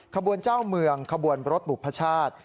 ขบวนเจ้าเมืองขบวนรถบุพชาติ